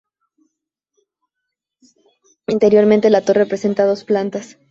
Interiormente, la torre presenta dos plantas.